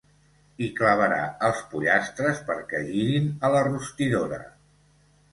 Hi clavarà els pollastres perquè girin a la rostidora.